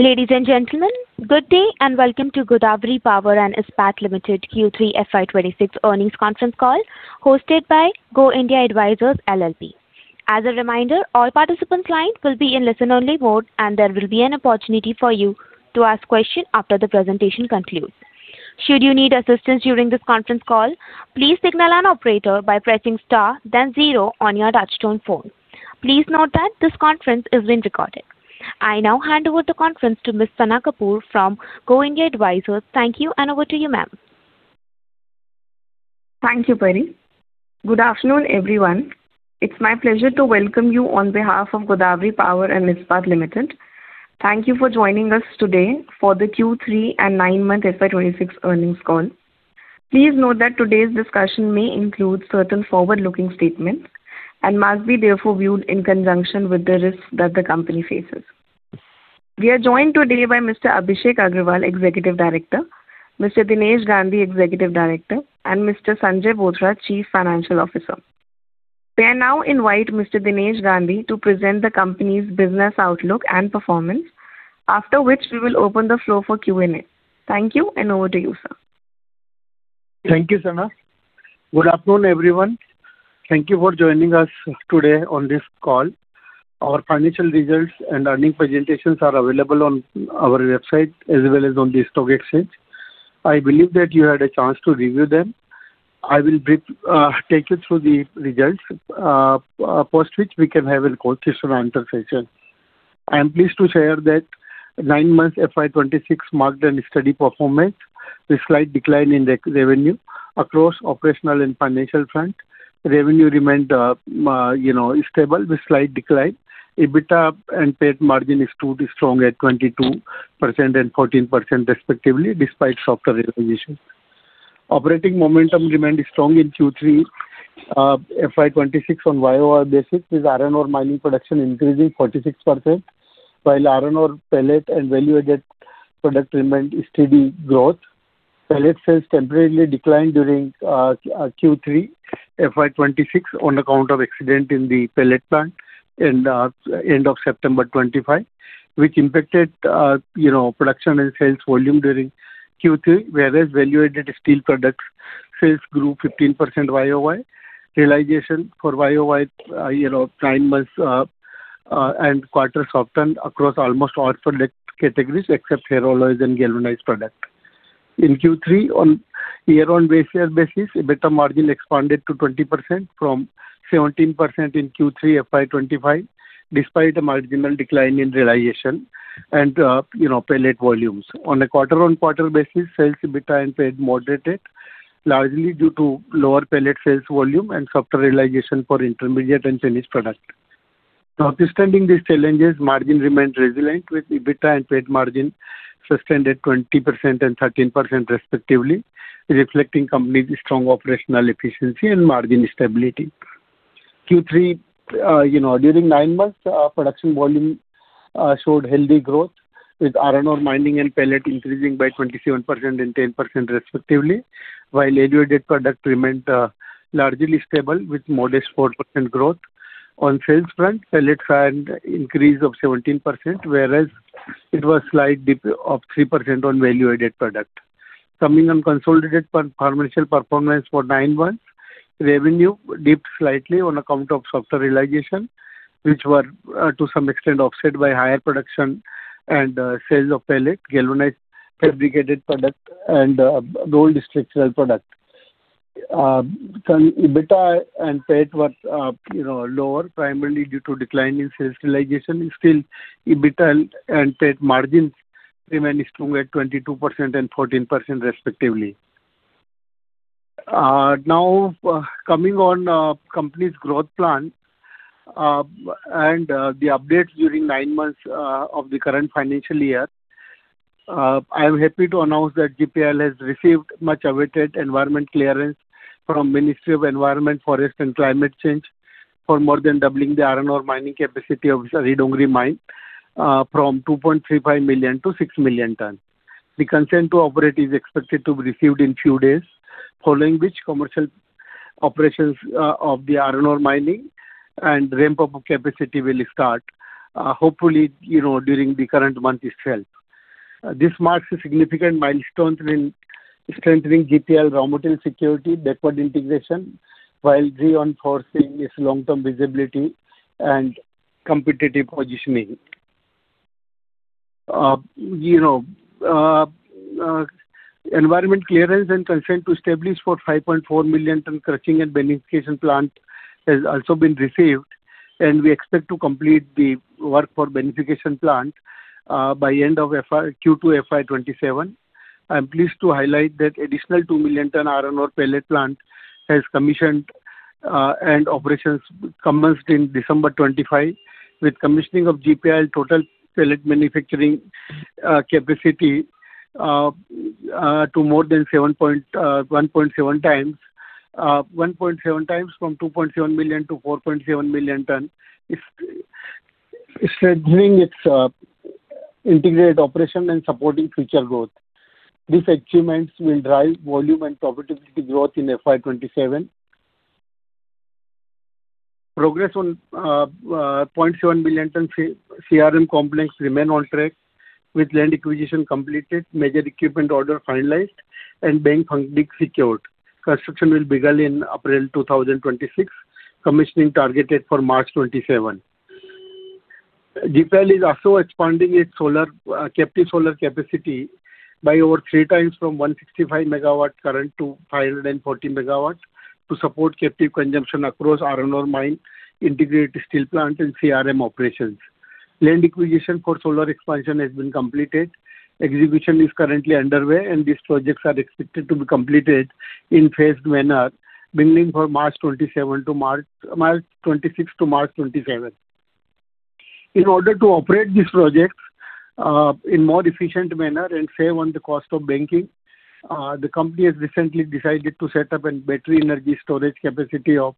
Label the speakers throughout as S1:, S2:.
S1: Ladies and gentlemen, good day and welcome to Godawari Power & Ispat Limited Q3 FY26 Earnings Conference Call hosted by Go India Advisors LLP. As a reminder, all participants' line will be in listen-only mode, and there will be an opportunity for you to ask questions after the presentation concludes. Should you need assistance during this conference call, please signal an operator by pressing star, then zero on your touch-tone phone. Please note that this conference is being recorded. I now hand over the conference to Ms. Sana Kapoor from Go India Advisors. Thank you, and over to you, ma'am.
S2: Thank you, Peri. Good afternoon, everyone. It's my pleasure to welcome you on behalf of Godawari Power & Ispat Limited. Thank you for joining us today for the Q3 and 9-month FY26 earnings call. Please note that today's discussion may include certain forward-looking statements and must be, therefore, viewed in conjunction with the risks that the company faces. We are joined today by Mr. Abhishek Agrawal, Executive Director, Mr. Dinesh Gandhi, Executive Director, and Mr. Sanjay Bothra, Chief Financial Officer. We are now inviting Mr. Dinesh Gandhi to present the company's business outlook and performance, after which we will open the floor for Q&A. Thank you, and over to you, sir.
S3: Thank you, Sana. Good afternoon, everyone. Thank you for joining us today on this call. Our financial results and earnings presentations are available on our website as well as on the stock exchange. I believe that you had a chance to review them. I will take you through the results, post which we can have a Q&A session. I am pleased to share that 9-month FY26 marked a steady performance with slight decline in revenue across operational and financial front. Revenue remained, you know, stable with slight decline. EBITDA and PAT margin is too strong at 22% and 14% respectively despite softer realization. Operating momentum remained strong in Q3 FY26 on YoY basis with iron ore mining production increasing 46%, while iron ore pellet and value-added product remained steady growth. Pellet sales temporarily declined during Q3 FY26 on account of accident in the pellet plant at the end of September 2025, which impacted, you know, production and sales volume during Q3, whereas value-added steel product sales grew 15% YoY. Realization for YoY, you know, 9 months and quarters softened across almost all product categories except ferro alloys and galvanized products. In Q3, on year-on-year basis, EBITDA margin expanded to 20% from 17% in Q3 FY25 despite a marginal decline in realization and, you know, pellet volumes. On a quarter-on-quarter basis, sales EBITDA and PAT moderated largely due to lower pellet sales volume and softer realization for intermediate and finished product. Notwithstanding these challenges, margin remained resilient with EBITDA and PAT margin sustained at 20% and 13% respectively, reflecting company's strong operational efficiency and margin stability. Q3, you know, during 9 months, production volume showed healthy growth with iron ore mining and pellet increasing by 27% and 10% respectively, while value-added product remained largely stable with modest 4% growth. On sales front, pellets had an increase of 17%, whereas it was a slight dip of 3% on value-added product. Coming on consolidated financial performance for 9 months, revenue dipped slightly on account of softer realization, which were to some extent offset by higher production and sales of pellet, galvanized fabricated product, and GPIL structural product. EBITDA and PAT were, you know, lower primarily due to decline in sales realization. Still, EBITDA and PAT margins remained strong at 22% and 14% respectively. Now, coming on company's growth plan and the updates during nine months of the current financial year, I am happy to announce that GPIL has received much-awaited environment clearance from the Ministry of Environment, Forest, and Climate Change for more than doubling the iron ore mining capacity of the Aridongri mine from 2.35 million to 6.0 million tons. The consent to operate is expected to be received in a few days, following which commercial operations of the iron ore mining and ramp-up capacity will start, hopefully, you know, during the current month itself. This marks a significant milestone in strengthening GPIL raw material security backward integration while reinforcing its long-term visibility and competitive positioning. You know, environment clearance and consent to establish for 5.4 million ton crushing and beneficiation plant has also been received, and we expect to complete the work for beneficiation plant by the end of Q2 FY27. I am pleased to highlight that an additional 2 million ton iron ore pellet plant has commissioned and operations commenced in December 2025 with commissioning of GPIL total pellet manufacturing capacity to more than 1.7 times, 1.7 times from 2.7 million to 4.7 million tons, strengthening its integrated operation and supporting future growth. These achievements will drive volume and profitability growth in FY27. Progress on 0.7 million ton CRM complex remains on track with land acquisition completed, major equipment order finalized, and bank funding secured. Construction will begin in April 2026. Commissioning targeted for March 2027. GPIL is also expanding its captive solar capacity by over three times from 165 MW current to 540 MW to support captive consumption across iron ore mine, integrated steel plant, and CRM operations. Land acquisition for solar expansion has been completed. Execution is currently underway, and these projects are expected to be completed in a phased manner beginning from March 2027 to March 2026 to March 2027. In order to operate these projects in a more efficient manner and save on the cost of banking, the company has recently decided to set up a battery energy storage capacity of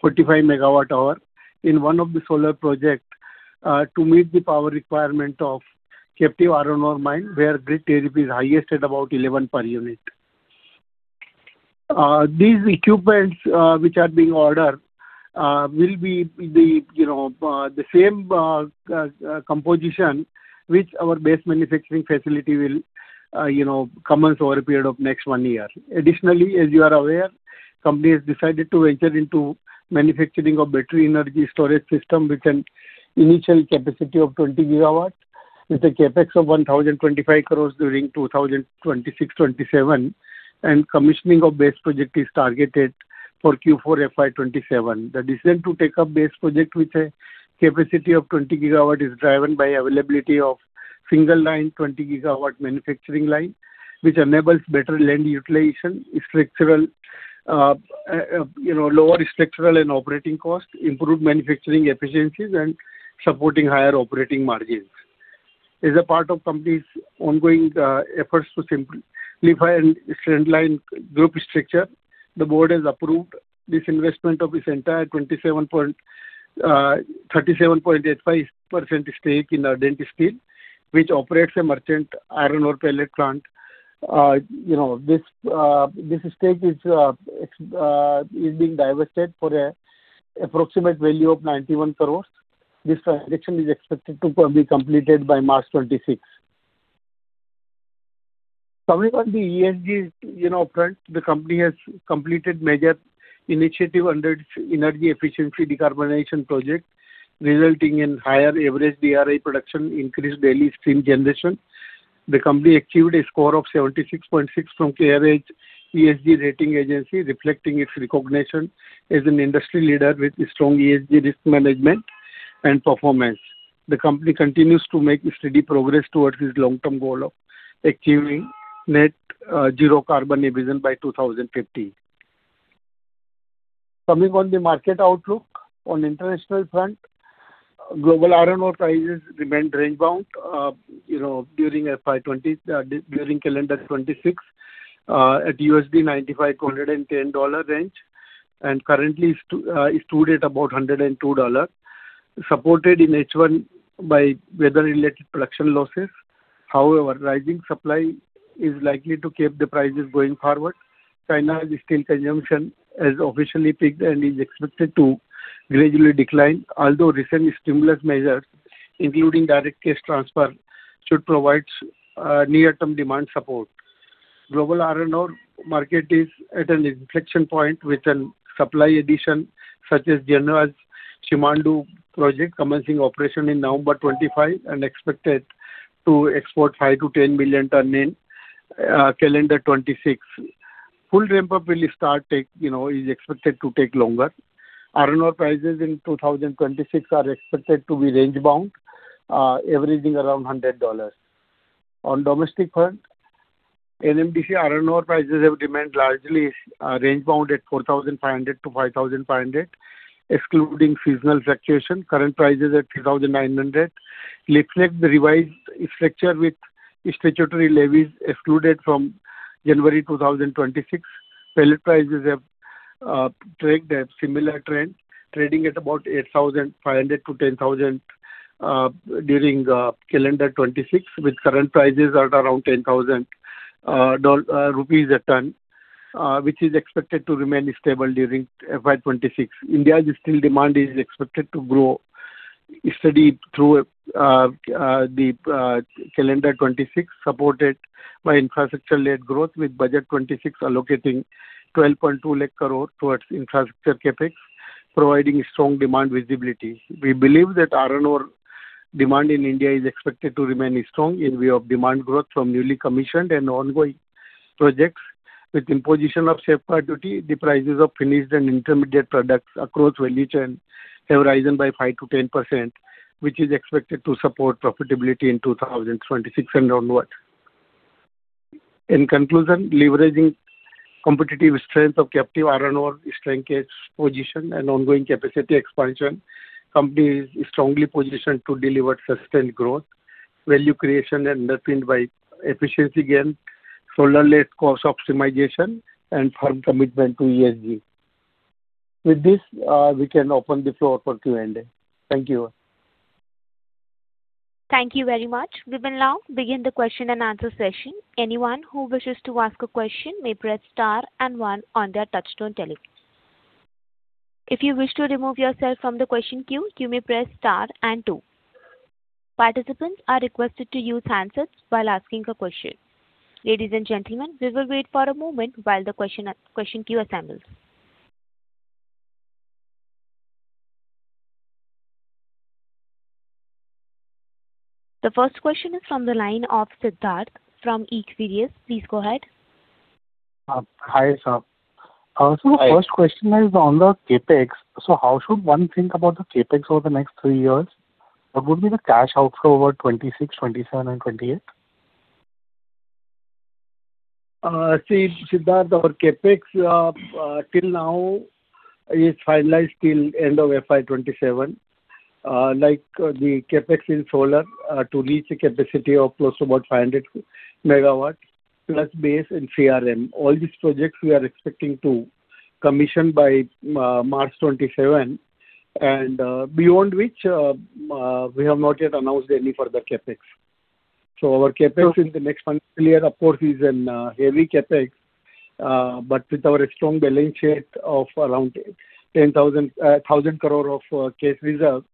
S3: 45 MWh in one of the solar projects to meet the power requirement of captive iron ore mine, where grid tariff is highest at about 11 per unit. These equipments, which are being ordered, will be the, you know, the same composition with our BESS manufacturing facility will, you know, commence over a period of the next one year. Additionally, as you are aware, the company has decided to venture into manufacturing of a battery energy storage system with an initial capacity of 20 GW with a CapEx of 1,025 crore during 2026-2027, and commissioning of the BESS project is targeted for Q4 FY27. The decision to take up the BESS project with a capacity of 20 GW is driven by the availability of a single line 20 GW manufacturing line, which enables better land utilization, you know, lower structural and operating costs, improved manufacturing efficiencies, and supporting higher operating margins. As a part of the company's ongoing efforts to simplify and streamline group structure, the board has approved this investment of its entire 37.85% stake in Ardent Steel, which operates a merchant iron ore pellet plant. You know, this stake is being divested for an approximate value of 91 crore. This transaction is expected to be completed by March 26th. Coming on the ESG, you know, front, the company has completed major initiatives under its energy efficiency decarbonization project, resulting in higher average DRI production, increased daily steam generation. The company achieved a score of 76.6 from the CareEdge ESG Rating Agency, reflecting its recognition as an industry leader with strong ESG risk management and performance. The company continues to make steady progress towards its long-term goal of achieving net zero carbon emissions by 2050. Coming on the market outlook on the international front, global iron ore prices remained range-bound, you know, during calendar 2026 at $95-$110 range and currently stood at about $102, supported in H1 by weather-related production losses. However, rising supply is likely to keep the prices going forward. China's steel consumption has officially peaked and is expected to gradually decline, although recent stimulus measures, including direct cash transfer, should provide near-term demand support. Global iron ore market is at an inflection point with a supply addition such as Simandou project commencing operation in November 2025 and expected to export 5-10 million tons in calendar 2026. Full ramp-up will start, you know, is expected to take longer. Iron ore prices in 2026 are expected to be range-bound, averaging around $100. On the domestic front, NMDC iron ore prices have remained largely range-bound at 4,500-5,500, excluding seasonal fluctuations. Current prices are at 3,900. Reflect the revised structure with statutory levies excluded from January 2026. Pellet prices have tracked a similar trend, trading at about 8,500-10,000 during calendar 2026, with current prices at around INR. 10,000 a ton, which is expected to remain stable during FY26. India's steel demand is expected to grow steady through the calendar 2026, supported by infrastructure-led growth with Budget 2026 allocating 1,220,000 crore towards infrastructure CapEx, providing strong demand visibility. We believe that iron ore demand in India is expected to remain strong in view of demand growth from newly commissioned and ongoing projects. With imposition of safeguard duty, the prices of finished and intermediate products across value chain have risen by 5%-10%, which is expected to support profitability in 2026 and onward. In conclusion, leveraging competitive strength of captive iron ore strengthening position and ongoing capacity expansion, the company is strongly positioned to deliver sustained growth. Value creation is underpinned by efficiency gain, solar-led cost optimization, and firm commitment to ESG. With this, we can open the floor for Q&A. Thank you.
S1: Thank you very much. We will now begin the question and answer session. Anyone who wishes to ask a question may press star and one on their touch-tone telephone. If you wish to remove yourself from the question queue, you may press star and two. Participants are requested to use the handset while asking a question. Ladies and gentlemen, we will wait for a moment while the question queue assembles. The first question is from the line of Siddharth from Equirus. Please go ahead.
S4: Hi, sir. So the first question is on the Capex. So how should one think about the Capex over the next three years? What would be the cash outflow over 2026, 2027, and 2028?
S3: See, Siddharth, our Capex till now is finalized till the end of FY27, like the Capex in solar to reach a capacity of close to about 500 MW plus BESS in CRM. All these projects, we are expecting to commission by March 2027, and beyond which, we have not yet announced any further Capex. So our Capex in the next financial year, of course, is a heavy Capex, but with our strong balance sheet of around 1,000 crores of cash reserve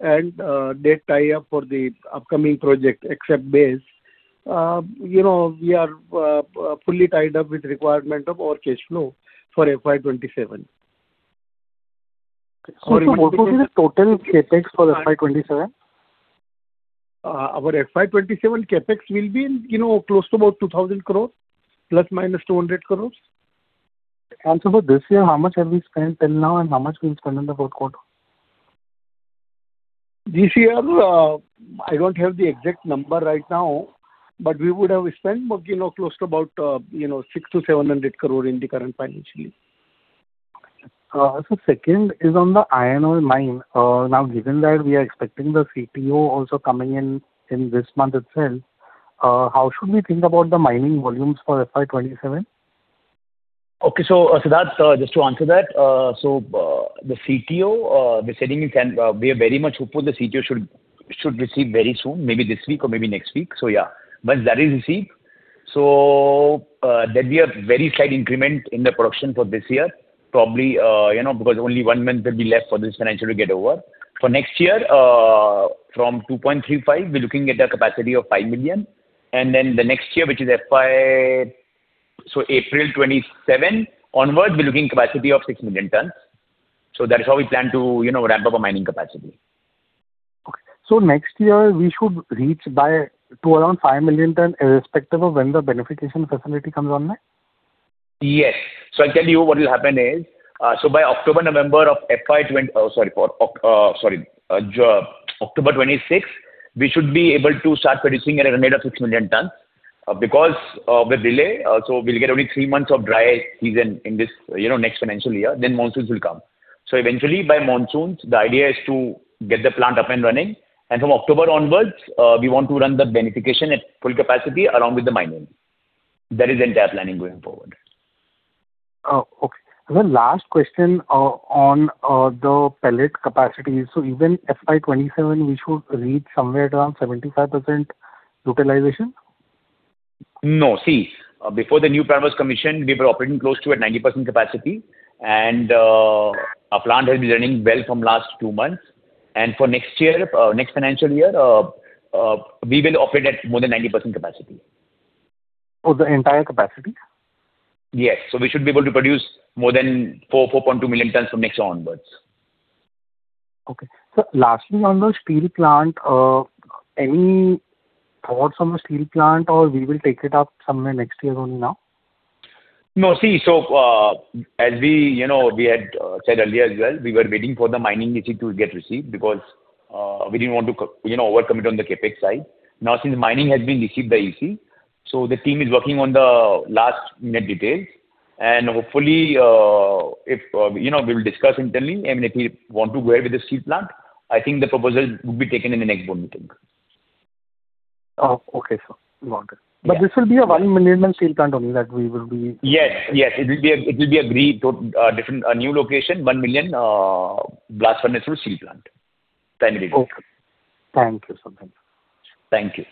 S3: and debt tie-up for the upcoming project except BESS, you know, we are fully tied up with the requirement of our cash flow for FY27.
S4: What would be the total Capex for FY27?
S3: Our FY27 CapEx will be, you know, close to about 2,000 crore ± 200 crore.
S4: Answer for this year, how much have we spent till now and how much will we spend in the fourth quarter?
S3: This year, I don't have the exact number right now, but we would have spent, you know, close to about, you know, 600 crore-700 crore in the current financial year.
S4: So second is on the iron ore mine. Now, given that we are expecting the CTO also coming in this month itself, how should we think about the mining volumes for FY27?
S5: Okay. So, Siddharth, just to answer that, so the CTO, we are very much hopeful the CTO should receive very soon, maybe this week or maybe next week. So yeah, once that is received, so there will be a very slight increment in the production for this year, probably, you know, because only one month will be left for this financial year to get over. For next year, from 2.35, we're looking at a capacity of 5 million. And then the next year, which is April 2027 onwards, we're looking at a capacity of 6 million tons. So that is how we plan to, you know, ramp up our mining capacity.
S4: Okay. Next year, we should reach around 5 million tons, irrespective of when the beneficiation facility comes online?
S5: Yes. So I'll tell you what will happen is. So by October, November of FY20, oh, sorry, sorry, October 2026, we should be able to start producing at a rate of 6 million tons because of the delay. So we'll get only three months of dry season in this, you know, next financial year. Then monsoons will come. So eventually, by monsoons, the idea is to get the plant up and running. And from October onwards, we want to run the beneficiation at full capacity along with the mining. That is the entire planning going forward.
S4: Oh, okay. And then last question on the pellet capacity. So even FY27, we should reach somewhere around 75% utilization?
S5: No. See, before the new plant was commissioned, we were operating close to 90% capacity. Our plant has been running well for the last two months. For next financial year, we will operate at more than 90% capacity.
S4: For the entire capacity?
S5: Yes. So we should be able to produce more than 4.2 million tons from next year onwards.
S4: Okay. Lastly on the steel plant, any thoughts on the steel plant, or we will take it up somewhere next year only now?
S5: No. See, so as we, you know, we had said earlier as well, we were waiting for the mining EC to get received because we didn't want to, you know, overcommit on the CapEx side. Now, since mining has been received by EC, so the team is working on the last-minute details. Hopefully, if, you know, we will discuss internally, I mean, if we want to go ahead with the steel plant, I think the proposal would be taken in the next board meeting.
S4: Oh, okay, sir. Got it. But this will be a 1 million ton steel plant only that we will be?
S5: Yes, yes. It will be a new location, 1 million blast furnace steel plant, primarily.
S4: Okay. Thank you, sir. Thank you.
S5: Thank you.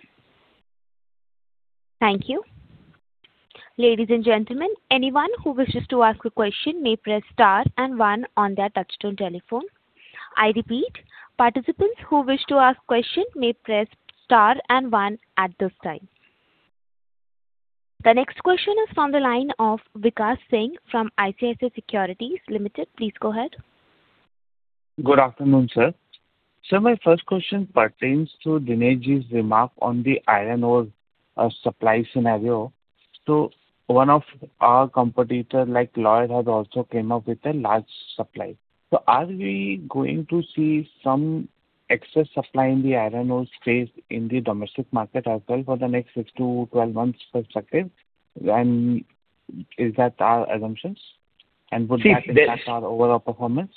S1: Thank you. Ladies and gentlemen, anyone who wishes to ask a question may press star and one on their touch-tone telephone. I repeat, participants who wish to ask a question may press star and one at this time. The next question is from the line of Vikas Singh from ICICI Securities Limited. Please go ahead.
S6: Good afternoon, sir. My first question pertains to Dinesh's remark on the iron ore supply scenario. One of our competitors, like Lloyds, has also come up with a large supply. Are we going to see some excess supply in the iron ore space in the domestic market as well for the next six to 12 months perspective? And is that our assumption? And would that impact our overall performance?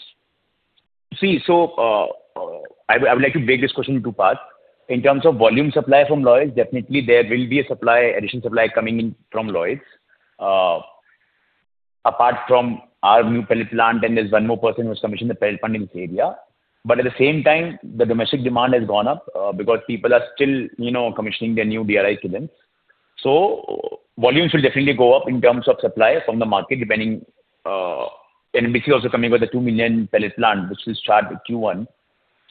S5: See, so I would like to break this question into parts. In terms of volume supply from Lloyds, definitely, there will be an additional supply coming in from Lloyds. Apart from our new pellet plant, then there's one more person who has commissioned the pellet plant in this area. But at the same time, the domestic demand has gone up because people are still, you know, commissioning their new DRI kilns. So volumes will definitely go up in terms of supply from the market, depending, NMDC is also coming with a 2 million pellet plant, which will start in Q1.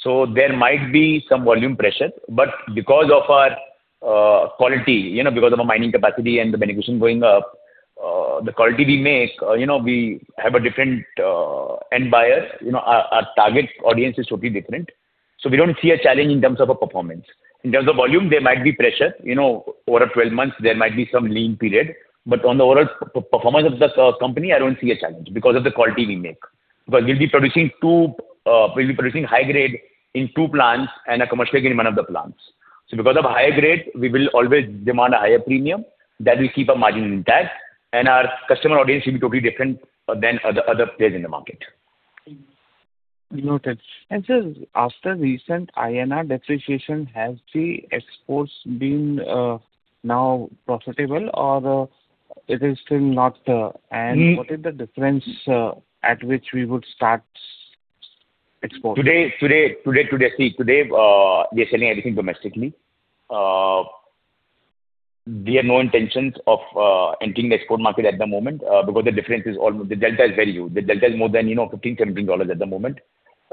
S5: So there might be some volume pressure. But because of our quality, you know, because of our mining capacity and the beneficiation going up, the quality we make, you know, we have a different end buyer. You know, our target audience is totally different. So we don't see a challenge in terms of our performance. In terms of volume, there might be pressure. You know, over 12 months, there might be some lean period. But on the overall performance of the company, I don't see a challenge because of the quality we make. Because we'll be producing high-grade in two plants and a commercial grade in one of the plants. So because of high-grade, we will always demand a higher premium that will keep our margin intact. And our customer audience will be totally different than other players in the market.
S6: Noted. Sir, after recent INR depreciation, has the exports been now profitable, or it is still not? And what is the difference at which we would start exporting?
S5: Today, see, today, they are selling everything domestically. There are no intentions of entering the export market at the moment because the difference is almost, the delta is very huge. The delta is more than, you know, $15-$17 at the moment.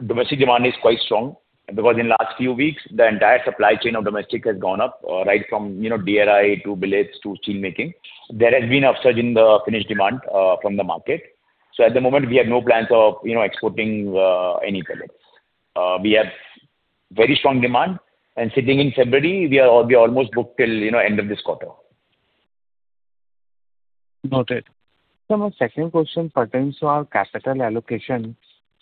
S5: Domestic demand is quite strong because in the last few weeks, the entire supply chain of domestic has gone up, right from, you know, DRI to billet to steelmaking. There has been an upsurge in the finished demand from the market. So at the moment, we have no plans of, you know, exporting any pellets. We have very strong demand. And sitting in February, we are almost booked till, you know, end of this quarter.
S6: Noted. Sir, my second question pertains to our capital allocation.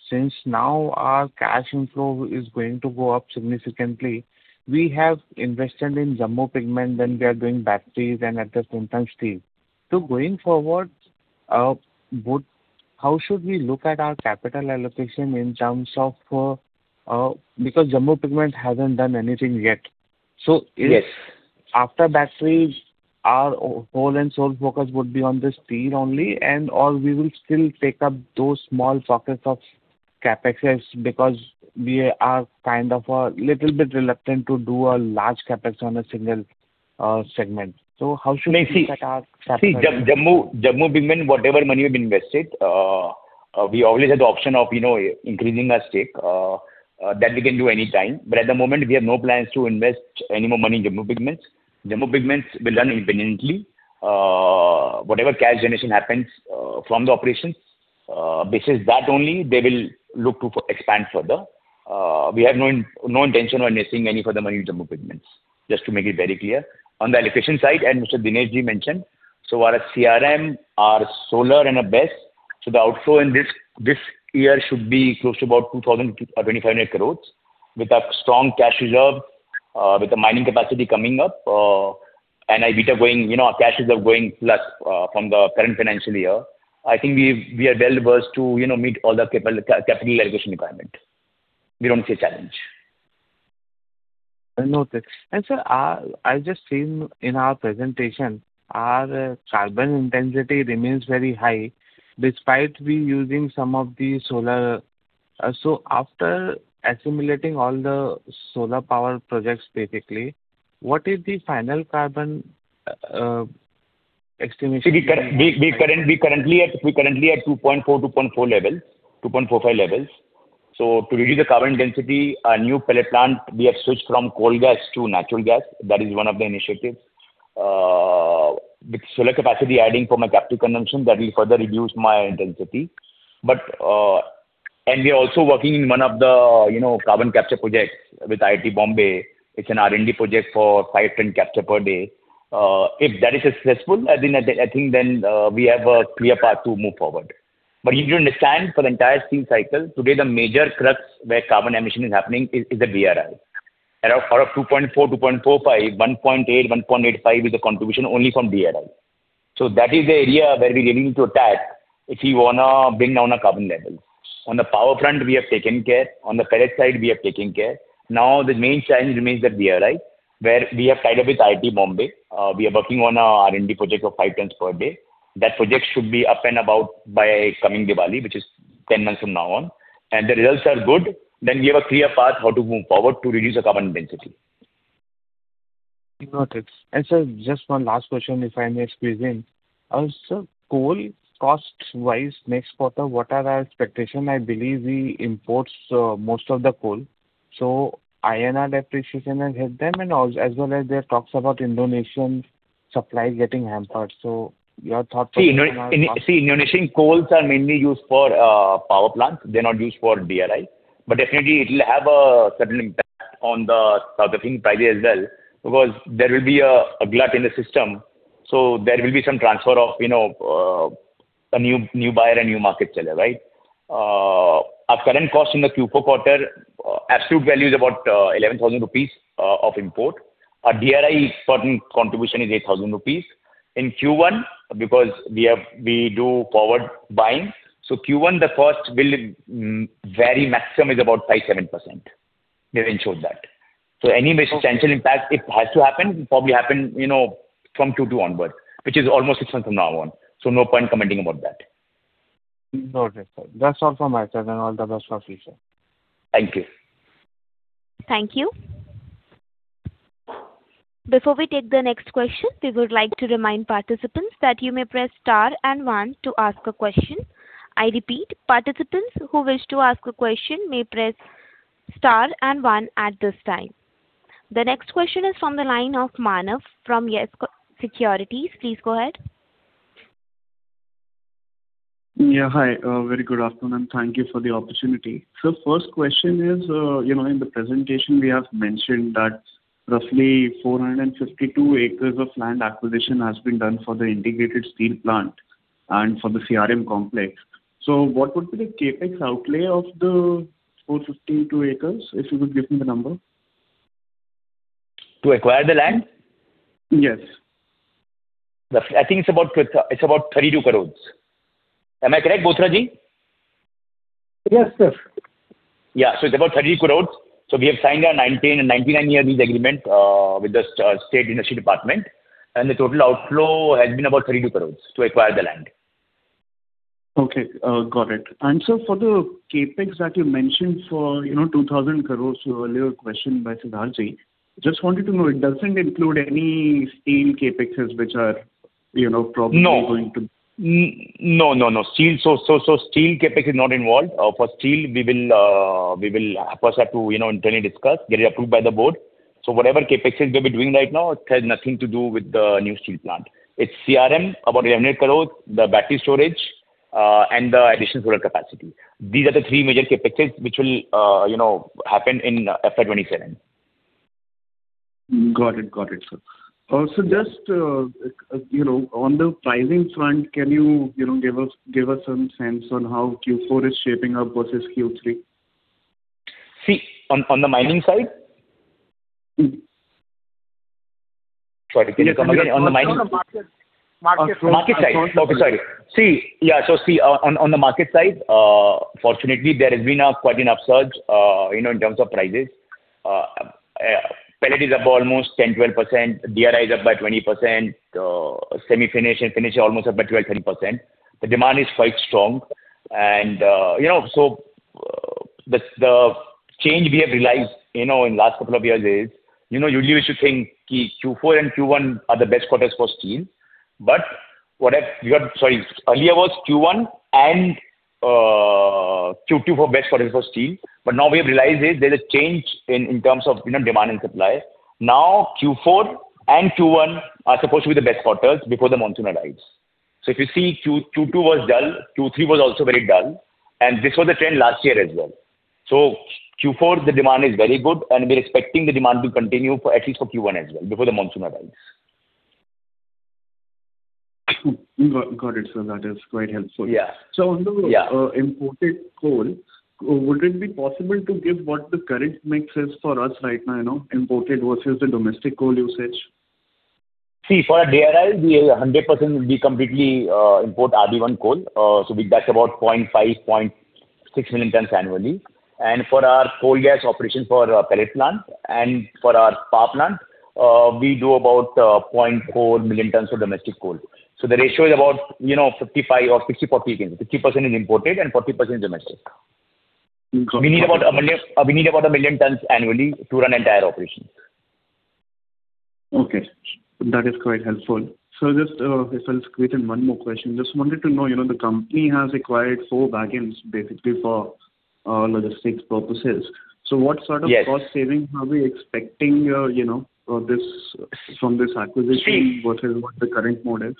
S6: Since now our cash inflow is going to go up significantly, we have invested in Jammu Pigments, then we are doing batteries, and at the same time, steel. So going forward, how should we look at our capital allocation in terms of, because Jammu Pigments hasn't done anything yet. So if after batteries, our whole and sole focus would be on the steel only, and/or we will still take up those small pockets of CapExes because we are kind of a little bit reluctant to do a large CapEx on a single segment. So how should we look at our capital allocation?
S5: See, Jammu Pigments, whatever money we've invested, we always have the option of, you know, increasing our stake. That we can do anytime. But at the moment, we have no plans to invest any more money in Jammu Pigments. Jammu Pigments will run independently. Whatever cash generation happens from the operations, based on that only, they will look to expand further. We have no intention of investing any further money in Jammu Pigments, just to make it very clear. On the allocation side, and Mr. Dinesh Ji mentioned, so our CRM are solar and a BESS. So the outflow in this year should be close to about 2,000 crore-2,500 crore with a strong cash reserve, with the mining capacity coming up, and EBITDA going, you know, our cash reserve going plus from the current financial year. I think we are well versed to, you know, meet all the capital allocation requirements. We don't see a challenge.
S6: Noted. And sir, I just seen in our presentation, our carbon intensity remains very high despite using some of the solar. So after assimilating all the solar power projects, basically, what is the final carbon estimation?
S5: See, we're currently at 2.4, 2.4 levels, 2.45 levels. So to reduce the carbon density, our new pellet plant, we have switched from coal gas to natural gas. That is one of the initiatives with solar capacity adding for captive consumption. That will further reduce my intensity. And we are also working on one of the carbon capture projects with IIT Bombay. It's an R&D project for 5-10 capture per day. If that is successful, then I think we have a clear path to move forward. But you need to understand, for the entire steel cycle, today, the major crux where carbon emission is happening is the DRI. Out of 2.4, 2.45, 1.8, 1.85 is a contribution only from DRI. So that is the area where we really need to attack if we want to bring down our carbon levels. On the power front, we have taken care. On the pellet side, we have taken care. Now, the main challenge remains the DRI, where we have tied up with IIT Bombay. We are working on an R&D project of 5-10 tons per day. That project should be up and about by coming Diwali, which is 10 months from now on. And the results are good. Then we have a clear path how to move forward to reduce our carbon density.
S6: Noted. Sir, just one last question, if I may squeeze in. Sir, coal cost-wise, next quarter, what are our expectations? I believe we import most of the coal. So INR depreciation has hit them, as well as there are talks about Indonesia's supply getting hampered. So your thoughts on INR?
S5: See, Indonesia's coals are mainly used for power plants. They're not used for DRI. But definitely, it will have a certain impact on the southern prices as well because there will be a glut in the system. So there will be some transfer of, you know, a new buyer and new market seller, right? Our current cost in the Q4 quarter, absolute value is about 11,000 rupees of import. Our DRI contribution is 8,000 rupees. In Q1, because we do forward buying, so Q1, the cost will vary maximum is about 5%-7%. They've ensured that. So any substantial impact, if it has to happen, will probably happen, you know, from Q2 onwards, which is almost six months from now on. So no point commenting about that.
S6: Noted, sir. That's all from me, sir. Then all the best for future.
S5: Thank you.
S1: Thank you. Before we take the next question, we would like to remind participants that you may press star and one to ask a question. I repeat, participants who wish to ask a question may press star and one at this time. The next question is from the line of Manav from Yes Securities. Please go ahead.
S7: Yeah, hi. Very good afternoon. Thank you for the opportunity. Sir, first question is, you know, in the presentation, we have mentioned that roughly 452 acres of land acquisition has been done for the integrated steel plant and for the CRM Complex. So what would be the Capex outlay of the 452 acres, if you could give me the number?
S3: To acquire the land?
S7: Yes.
S3: I think it's about 32 crore. Am I correct, Bothra Ji?
S5: Yes, sir.
S3: Yeah. It's about 32 crores. We have signed a 99-year lease agreement with the State Industry Department. The total outflow has been about 32 crores to acquire the land.
S7: Okay. Got it. And sir, for the CapEx that you mentioned for, you know, 2,000 crore to earlier question by Siddharth Ji, just wanted to know, it doesn't include any steel CapExes which are, you know, probably going to?
S5: No, no, no, no. Steel CapEx is not involved. For steel, we will first have to, you know, internally discuss, get it approved by the board. So whatever CapExes we'll be doing right now, it has nothing to do with the new steel plant. It's CRM, about 11 crore, the battery storage, and the additional solar capacity. These are the three major CapExes which will, you know, happen in FY27.
S7: Got it, got it, sir. Sir, just, you know, on the pricing front, can you, you know, give us some sense on how Q4 is shaping up versus Q3?
S5: See, on the mining side? Sorry, can you come again? On the mining side?
S7: Market side.
S5: Okay, sorry. See, yeah, so see, on the market side, fortunately, there has been quite an upsurge, you know, in terms of prices. Pellet is up almost 10%-12%. DRI is up by 20%. Semi-finished and finished is almost up by 12%-13%. The demand is quite strong. You know, so the change we have realized, you know, in the last couple of years is, you know, usually, we should think that Q4 and Q1 are the best quarters for steel. But what we got, sorry, earlier was Q1 and Q2 for best quarters for steel. But now, what we have realized is there's a change in terms of, you know, demand and supply. Now, Q4 and Q1 are supposed to be the best quarters before the monsoon arrives. So if you see, Q2 was dull. Q3 was also very dull. This was the trend last year as well. Q4, the demand is very good. We're expecting the demand to continue at least for Q1 as well before the monsoon arrives.
S7: Got it, sir. That is quite helpful. Sir, on the imported coal, would it be possible to give what the current mix is for us right now, you know, imported versus the domestic coal usage?
S5: See, for our DRI, we 100% completely import RB1 coal. So that's about 0.5 million-0.6 million tons annually. And for our coal gas operation for pellet plant and for our power plant, we do about 0.4 million tons of domestic coal. So the ratio is about, you know, 55 or 60, 40. 50% is imported, and 40% is domestic.
S7: Got it.
S5: We need about 1 million tons annually to run the entire operation.
S7: Okay. That is quite helpful. Sir, just if I'll squeeze in one more question, just wanted to know, you know, the company has acquired 4 wagons, basically, for logistics purposes. So what sort of cost savings are we expecting, you know, from this acquisition versus what the current mode is?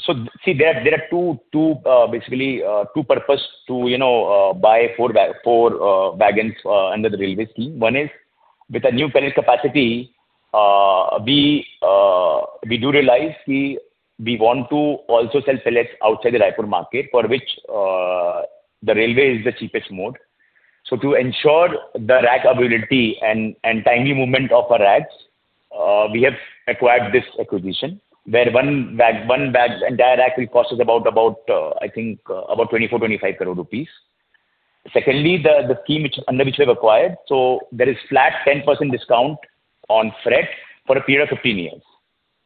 S5: So, see, there are two—basically, two purposes to, you know, buy four wagons under the railway scheme. One is, with the new pellet capacity, we do realize that we want to also sell pellets outside the Raipur market, for which the railway is the cheapest mode. So to ensure the rake availability and timely movement of our rake, we have acquired this acquisition, where one wagon—one wagon—the entire rake will cost us about, I think, about 24 crore-25 crore rupees. Secondly, the scheme under which we have acquired, so there is a flat 10% discount on freight for a period of 15 years.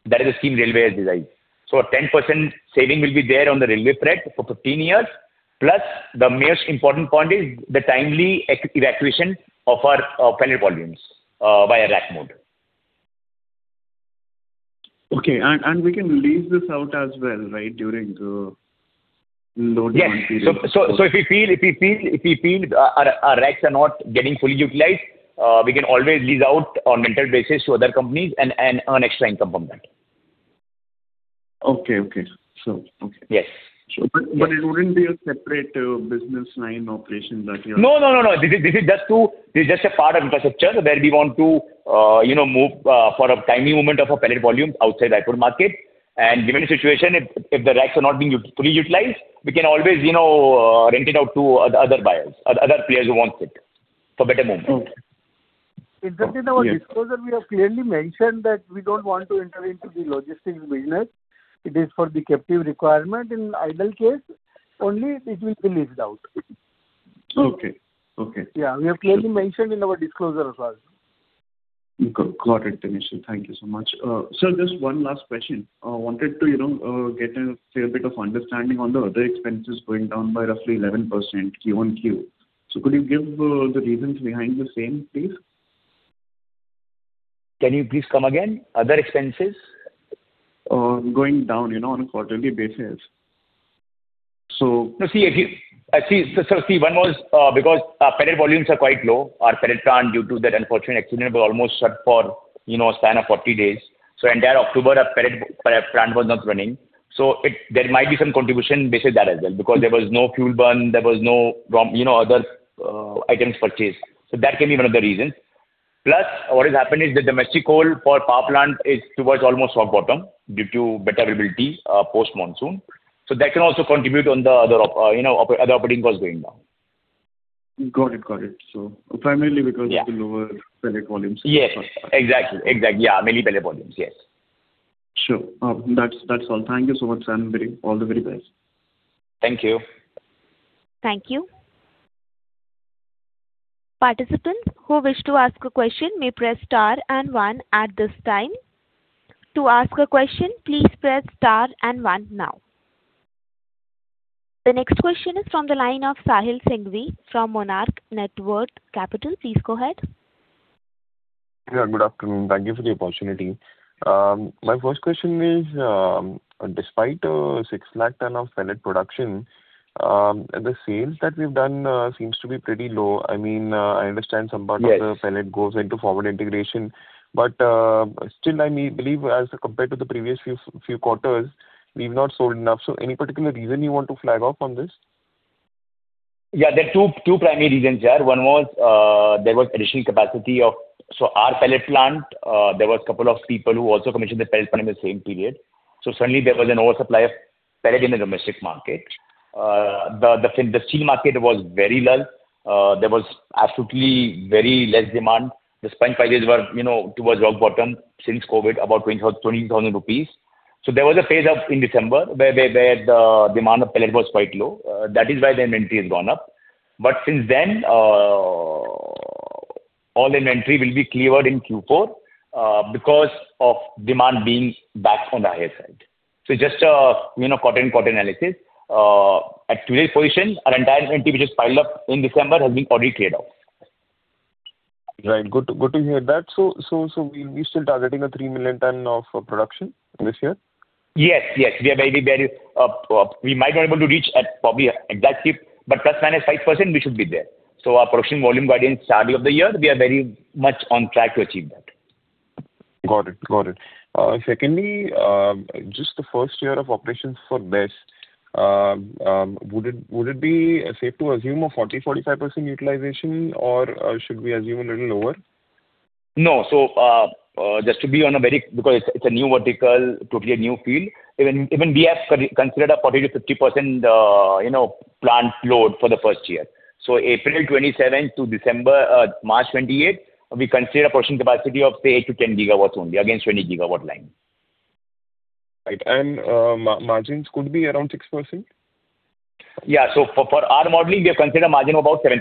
S5: That is the scheme railway has designed. So a 10% saving will be there on the railway freight for 15 years. Plus, the most important point is the timely evacuation of our pellet volumes via rake mode.
S7: Okay. We can lease this out as well, right, during the load-on period?
S5: Yes. So if we feel our rake are not getting fully utilized, we can always lease out on rental basis to other companies and earn extra income from that.
S7: Okay, okay. So, okay.
S3: Yes.
S7: It wouldn't be a separate business line operation that you are?
S5: No, no, no, no. This is just a part of infrastructure where we want to, you know, move for a timely movement of our pellet volumes outside the Raipur market. And given the situation, if the rakes are not being fully utilized, we can always, you know, rent it out to other buyers, other players who want it for better movement.
S3: Okay. In fact, in our disclosure, we have clearly mentioned that we don't want to enter into the logistics business. It is for the captive requirement. In the ideal case, only it will be leased out.
S7: Okay, okay.
S3: Yeah, we have clearly mentioned in our disclosure as well.
S7: Got it, Dinesh Ji. Thank you so much. Sir, just one last question. I wanted to, you know, get a fair bit of understanding on the other expenses going down by roughly 11% Q-on-Q. So could you give the reasons behind the same, please?
S5: Can you please come again? Other expenses?
S7: Going down, you know, on a quarterly basis. So.
S5: No, see, if you see, sir, one was because our pellet volumes are quite low. Our pellet plant, due to that unfortunate accident, was almost shut for, you know, a span of 40 days. So entire October, our pellet plant was not running. So there might be some contribution based on that as well because there was no fuel burn. There was no, you know, other items purchased. So that can be one of the reasons. Plus, what has happened is the domestic coal for power plant is towards almost rock bottom due to better availability post-monsoon. So that can also contribute on the other, you know, other operating costs going down.
S7: Got it, got it. So primarily because of the lower pellet volumes?
S5: Yes, exactly, exactly. Yeah, mainly pellet volumes, yes.
S7: Sure. That's all. Thank you so much, sir. I'm all the very best.
S5: Thank you.
S1: Thank you. Participants who wish to ask a question may press star and one at this time. To ask a question, please press star and one now. The next question is from the line of Sahil Sanghvi from Monarch Networth Capital. Please go ahead.
S8: Yeah, good afternoon. Thank you for the opportunity. My first question is, despite 600,000 tons of pellet production, the sales that we've done seem to be pretty low. I mean, I understand some part of the pellet goes into forward integration. But still, I believe, as compared to the previous few quarters, we've not sold enough. So any particular reason you want to flag off on this?
S5: Yeah, there are two primary reasons, sir. One was there was additional capacity of—so our pellet plant, there was a couple of people who also commissioned the pellet plant in the same period. So suddenly, there was an oversupply of pellet in the domestic market. The steel market was very lull. There was absolutely very less demand. The spot prices were, you know, towards rock bottom since COVID, about 20,000 rupees. So there was a phase in December where the demand of pellet was quite low. That is why the inventory has gone up. But since then, all inventory will be cleared in Q4 because of demand being back on the higher side. So just a quarter-on-quarter analysis, at today's position, our entire inventory, which is piled up in December, has been already cleared out.
S8: Right. Good to hear that. So we're still targeting a 3 million tons of production this year?
S5: Yes, yes. We are very, very, we might not be able to reach probably exact shift, but ±5%, we should be there. So our production volume guidance, starting of the year, we are very much on track to achieve that.
S8: Got it, got it. Secondly, just the first year of operations for BESS, would it be safe to assume a 40%-45% utilization, or should we assume a little lower?
S5: No. So just to be on a very conservative side, because it's a new vertical, totally a new field. Even we have considered a 40%-50%, you know, plant load for the first year. So April 2027 to March 2028, we consider a production capacity of, say, 8-10 GW only against 20 GW line.
S8: Right. Margins could be around 6%?
S5: Yeah. So for our modeling, we have considered a margin of about 7%.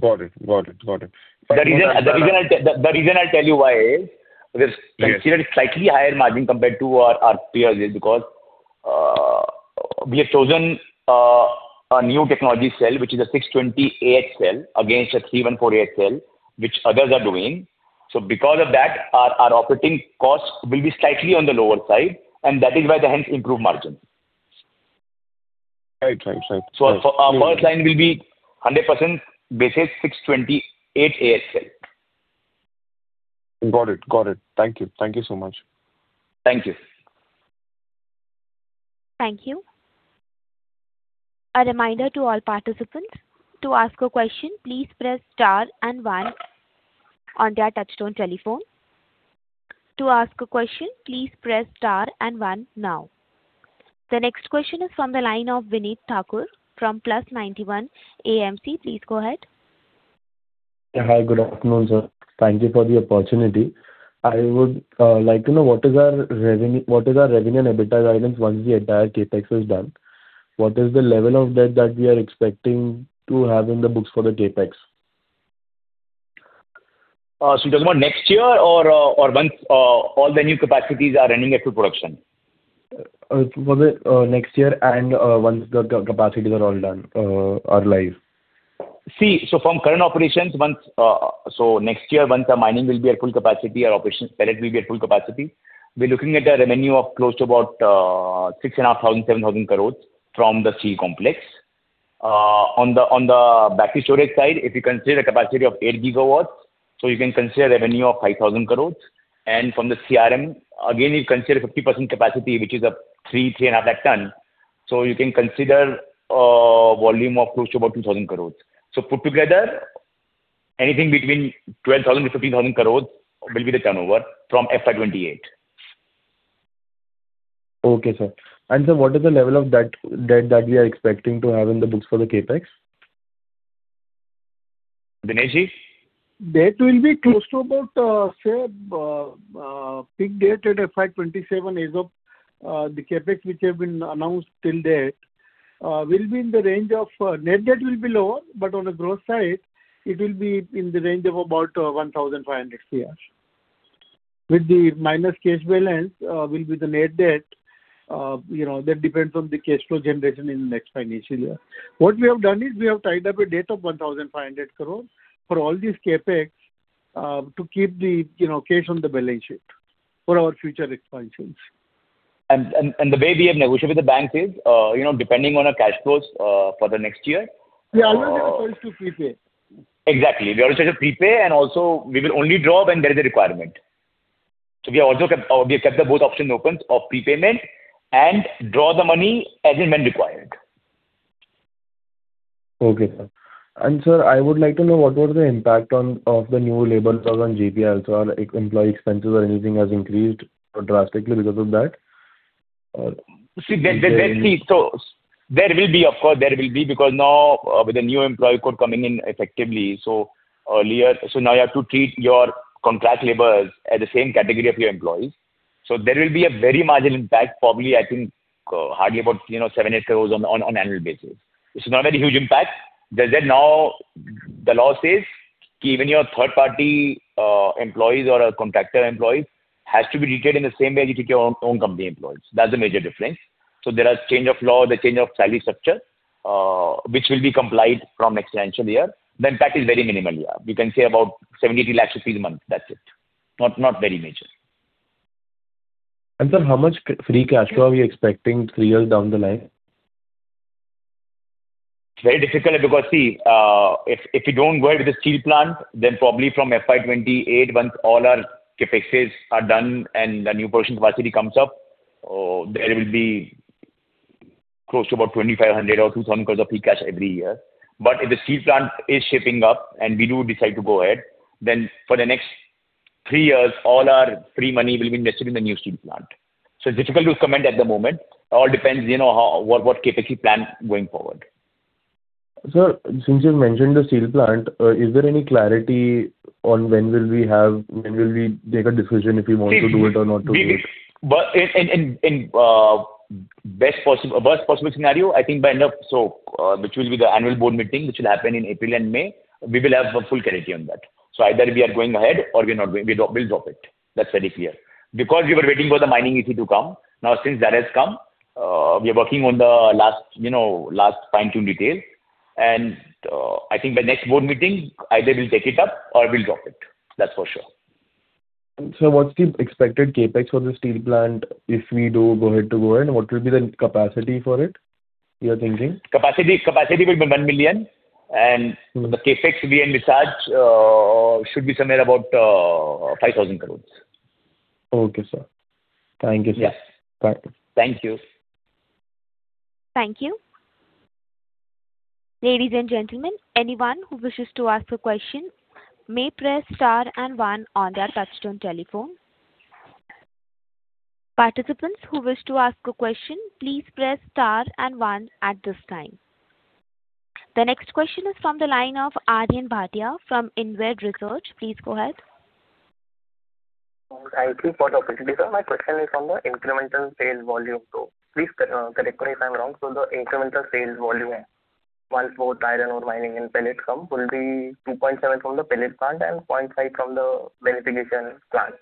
S8: Got it, got it, got it.
S5: The reason I'll tell you why is we have considered a slightly higher margin compared to our peers is because we have chosen a new technology cell, which is a 620 cell against a 314 cell, which others are doing. So because of that, our operating cost will be slightly on the lower side. And that is why the hence improved margins.
S8: Right, right, right.
S5: Our first line will be 100% based on 620 cell.
S8: Got it, got it. Thank you. Thank you so much.
S5: Thank you.
S1: Thank you. A reminder to all participants: to ask a question, please press star and one on their touchtone telephone. To ask a question, please press star and one now. The next question is from the line of Vineet Thakur from Plus91 AMC. Please go ahead.
S9: Yeah, hi. Good afternoon, sir. Thank you for the opportunity. I would like to know, what is our revenue and EBITDA guidance once the entire CapEx is done? What is the level of debt that we are expecting to have in the books for the CapEx?
S5: You talking about next year or once all the new capacities are running into production?
S9: Next year, and once the capacities are all done, are live.
S5: See, so from current operations, once—so next year, once our mining will be at full capacity, our pellet will be at full capacity, we're looking at a revenue of close to about 6,500-7,000 crore from the steel complex. On the battery storage side, if you consider the capacity of 8 GW, so you can consider a revenue of 5,000 crore. And from the CRM, again, you consider 50% capacity, which is 3-3.5 lakh tons. So you can consider a volume of close to about 2,000 crore. So put together, anything between 12,000-15,000 crore will be the turnover from FY28.
S9: Okay, sir. Sir, what is the level of debt that we are expecting to have in the books for the CapEx?
S5: Dinesh Ji?
S3: Debt will be close to about, say, peak debt at FY27 as of the CapEx, which has been announced till date, will be in the range of, net debt will be lower, but on the growth side, it will be in the range of about 1,500 crores. With the minus cash balance, will be the net debt. You know, that depends on the cash flow generation in the next financial year. What we have done is we have tied up a debt of 1,500 crores for all these CapEx to keep the cash on the balance sheet for our future expansions.
S9: The way we have negotiated with the banks is, you know, depending on our cash flows for the next year?
S3: Yeah, always have a choice to prepay.
S5: Exactly. We have a choice of prepay, and also we will only draw when there is a requirement. So we have also kept the both options open of prepayment and draw the money as it may be required.
S9: Okay, sir. Sir, I would like to know, what was the impact of the new labor laws on GPIL? Are employee expenses or anything has increased drastically because of that?
S5: See, so there will be, of course, there will be because now with the new employee code coming in effectively, so now you have to treat your contract laborers as the same category of your employees. So there will be a very marginal impact, probably, I think, hardly about 7-8 crore on annual basis. It's not a very huge impact. Now, the law says that even your third-party employees or contractor employees have to be treated in the same way as you treat your own company employees. That's the major difference. So there is a change of law, the change of salary structure, which will be complied with from next financial year. The impact is very minimal. You can say about 70-80 lakh rupees a month. That's it. Not very major.
S9: Sir, how much free cash flow are we expecting three years down the line?
S5: It's very difficult because, see, if we don't go ahead with the steel plant, then probably from FY28, once all our Capexes are done and the new production capacity comes up, there will be close to about 2,500 crore or 2,000 crore of free cash every year. But if the steel plant is shaping up and we do decide to go ahead, then for the next three years, all our free money will be invested in the new steel plant. So it's difficult to comment at the moment. It all depends on what Capex we plan going forward.
S9: Sir, since you've mentioned the steel plant, is there any clarity on when will we take a decision if we want to do it or not to do it?
S5: In the best possible scenario, I think by end of so which will be the annual board meeting, which will happen in April and May, we will have full clarity on that. So either we are going ahead or we will drop it. That's very clear. Because we were waiting for the mining EC to come. Now, since that has come, we are working on the last fine-tuned details. And I think by next board meeting, either we'll take it up or we'll drop it. That's for sure.
S9: Sir, what's the expected CapEx for the steel plant if we do go ahead? What will be the capacity for it, you're thinking?
S5: Capacity will be 1 million. The CapEx, we and envisage, should be somewhere about 5,000 crore.
S9: Okay, sir. Thank you, sir.
S5: Yes.
S3: Thank you.
S1: Thank you. Ladies and gentlemen, anyone who wishes to ask a question may press star and one on their touch-tone telephone. Participants who wish to ask a question, please press star and one at this time. The next question is from the line of Aryan Bhatia from InvAsset. Please go ahead.
S10: Thank you for the opportunity, sir. My question is on the incremental sales volume. So please correct me if I'm wrong. So the incremental sales volume once both iron ore mining and pellets come will be 2.7 from the pellet plant and 0.5 from the beneficiation plant.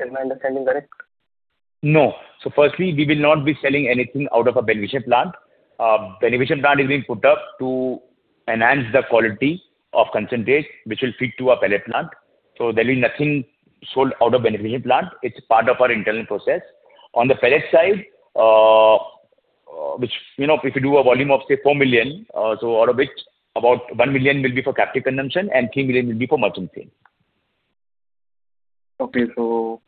S10: Is my understanding correct?
S5: No. Firstly, we will not be selling anything out of a beneficiation plant. The beneficiation plant is being put up to enhance the quality of concentrate, which will feed to our pellet plant. There will be nothing sold out of the beneficiation plant. It's part of our internal process. On the pellet side, if you do a volume of, say, 4 million, so out of which about 1 million will be for captive consumption and 3 million will be for merchant sales.
S10: Okay. So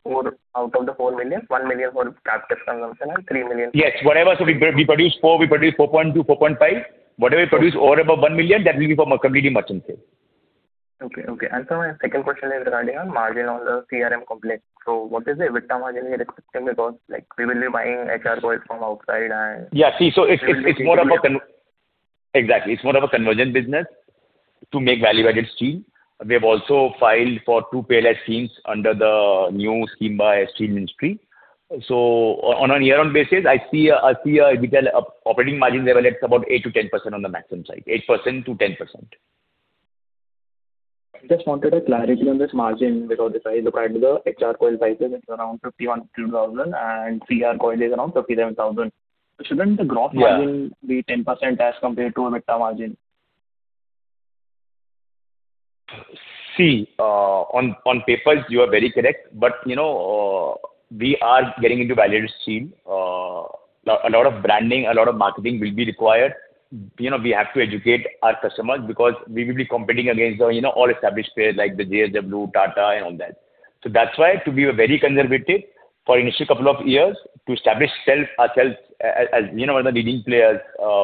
S10: out of the 4 million, 1 million for captive consumption and 3 million for?
S5: Yes, whatever. So we produce 4, we produce 4.2, 4.5. Whatever we produce over 1 million, that will be for completely merchant sales.
S10: Okay, okay. And sir, my second question is regarding our margin on the CRM Complex. So what is the EBITDA margin we are expecting because we will be buying HR coil from outside and?
S5: Yeah, see, so it's more of a, exactly, it's more of a conversion business to make value-added steel. We have also filed for two PLI schemes under the new scheme by Steel Ministry. So on a year-round basis, I see a EBITDA operating margin level at about 8%-10% on the maximum side, 8%-10%.
S10: I just wanted clarity on this margin because if I look at the HR coil prices, it's around 52,000, and CR coil is around 57,000. Shouldn't the gross margin be 10% as compared to EBITDA margin?
S5: See, on papers, you are very correct. But we are getting into value-added steel. A lot of branding, a lot of marketing will be required. We have to educate our customers because we will be competing against all established players like the JSW, Tata, and all that. So that's why, to be very conservative for the initial couple of years, to establish ourselves as one of the leading players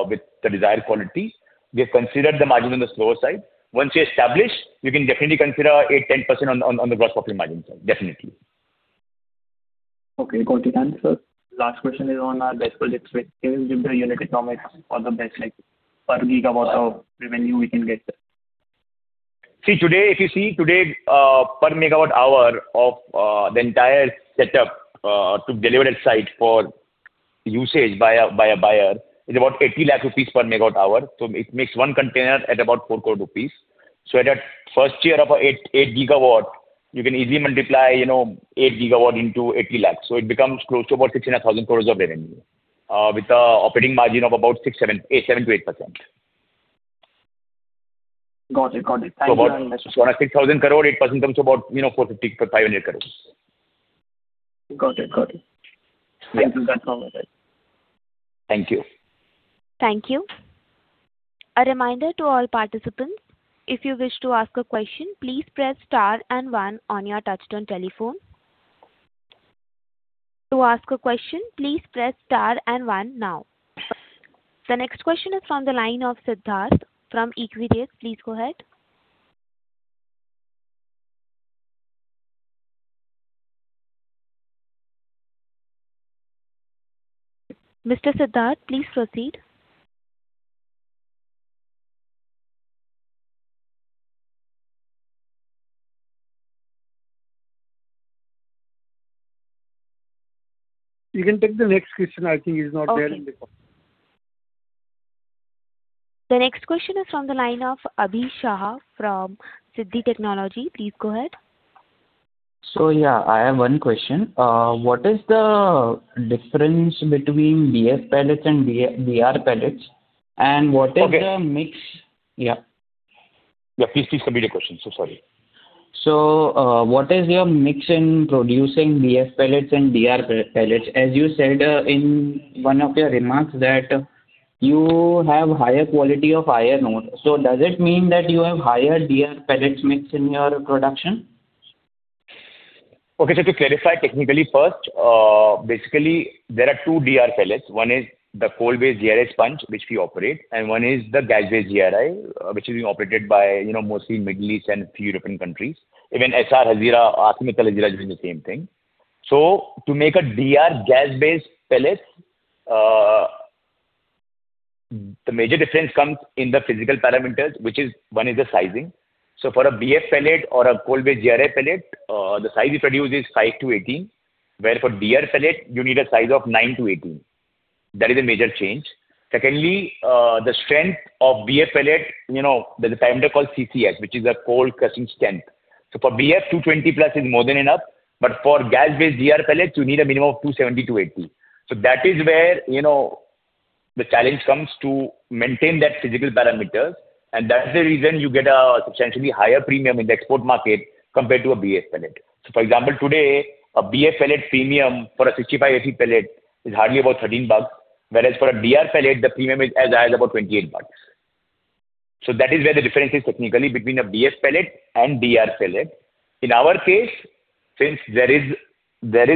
S5: with the desired quality, we have considered the margin on the slower side. Once you establish, you can definitely consider 8%-10% on the gross profit margin side, definitely.
S10: Okay, got it. And, sir, last question is on our BESS project spec. Give the unit economics for the BESS, like per gigawatt of revenue we can get?
S5: See, today, if you see today, per megawatt-hour of the entire setup to deliver at site for usage by a buyer, it's about 80 lakh rupees per megawatt-hour. So it makes one container at about 4 crore rupees. So at the first year of 8 GW, you can easily multiply 8 GW into 80 lakh. So it becomes close to about 6,000 crore of revenue with an operating margin of about 7%-8%.
S10: Got it, got it. Thank you for your understanding.
S5: On a 6,000 crore, 8% comes to about 450-500 crores.
S10: Got it, got it. Thank you for that.
S5: Thank you.
S1: Thank you. A reminder to all participants: if you wish to ask a question, please press star and one on your touch-tone telephone. To ask a question, please press star and one now. The next question is from the line of Siddharth from Equirus. Please go ahead. Mr. Siddharth, please proceed.
S3: You can take the next question. I think it's not there in the call.
S1: The next question is from the line of Abhishek from Siddhi Technology. Please go ahead.
S11: Yeah, I have one question. What is the difference between BF pellets and DR pellets? And what is the mix? Yeah.
S3: Yeah, please submit your question. So sorry.
S11: What is your mix in producing BF pellets and DR pellets? As you said in one of your remarks that you have higher quality of higher grade. Does it mean that you have higher DR pellets mix in your production?
S3: Okay, so to clarify technically first, basically, there are two DR pellets. One is the coal-based DRI sponge, which we operate, and one is the gas-based DRI, which is being operated by mostly Middle East and a few European countries. Even Essar Hazira, Arcelor Hazira, doing the same thing. So to make a DR gas-based pellet, the major difference comes in the physical parameters, which is one is the sizing. So for a BF pellet or a coal-based DRI pellet, the size you produce is 5-18, whereas for DR pellet, you need a size of 9-18. That is a major change. Secondly, the strength of BF pellet, there's a parameter called CCS, which is a cold-crushing strength. So for BF, 220+ is more than enough. But for gas-based DR pellets, you need a minimum of 270-280. So that is where the challenge comes to maintain that physical parameters. And that's the reason you get a substantially higher premium in the export market compared to a BF pellet. So, for example, today, a BF pellet premium for a 65% Fe pellet is hardly about $13, whereas for a DR pellet, the premium is as high as about $28. So that is where the difference is technically between a BF pellet and DR pellet. In our case, since there is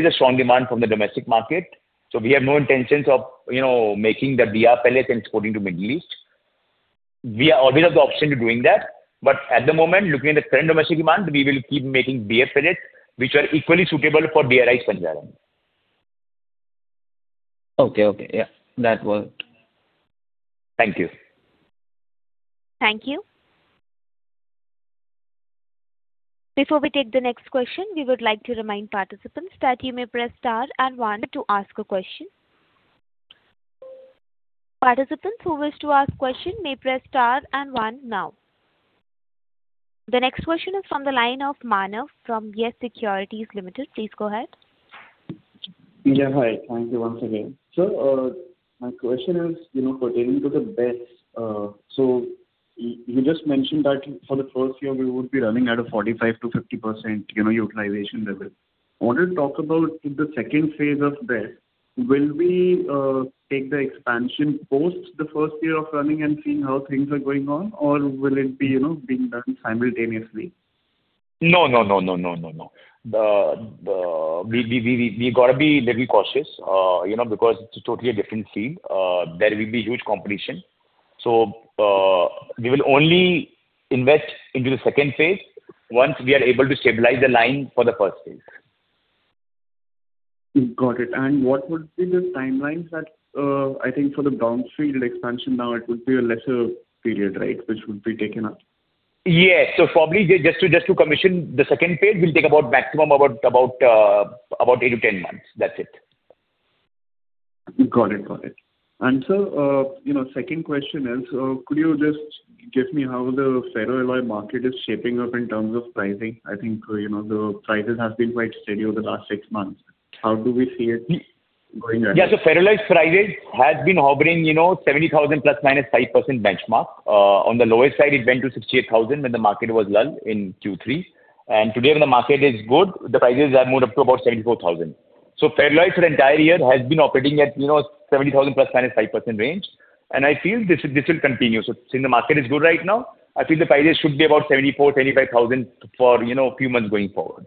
S3: a strong demand from the domestic market, so we have no intentions of making the DR pellets and exporting to the Middle East. We are always of the option to doing that. But at the moment, looking at the current domestic demand, we will keep making BF pellets, which are equally suitable for DRI sponge iron.
S11: Okay, okay. Yeah, that worked.
S3: Thank you.
S1: Thank you. Before we take the next question, we would like to remind participants that you may press star and one to ask a question. Participants who wish to ask a question may press star and one now. The next question is from the line of Manav from YES Securities Limited. Please go ahead.
S7: Yeah, hi. Thank you once again. So, my question is pertaining to the BESS. So you just mentioned that for the first year, we would be running at a 45%-50% utilization level. I wanted to talk about the second phase of BESS. Will we take the expansion post the first year of running and seeing how things are going on, or will it be being done simultaneously?
S5: No, no, no, no, no, no, no. We got to be a little cautious because it's totally a different field. There will be huge competition. So we will only invest into the second phase once we are able to stabilize the line for the first phase.
S7: Got it. And what would be the timeline that I think for the downstream expansion now, it would be a lesser period, right, which would be taken up?
S5: Yes. Probably just to commission the second phase, we'll take about maximum about 8-10 months. That's it.
S7: Got it, got it. And sir, second question is, could you just give me how the ferro alloy market is shaping up in terms of pricing? I think the prices have been quite steady over the last six months. How do we see it going?
S5: Yeah. So ferro alloy's price has been hovering 70,000 ±5% benchmark. On the lowest side, it went to 68,000 when the market was low in Q3. And today, when the market is good, the prices have moved up to about 74,000. So ferro alloy for the entire year has been operating at 70,000 ±5% range. And I feel this will continue. So since the market is good right now, I feel the prices should be about 74,000-75,000 for a few months going forward.